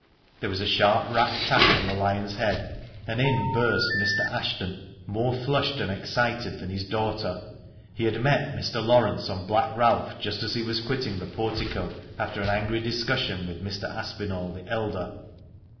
There was a sharp rat tat on the lion's head, and in burst Mr. Ashton, much more flushed and excited than his daughter. He had met Mr. Laurence on Black Ralph just as he was quitting the Portico, after an angry discussion with Mr. Aspinall the elder.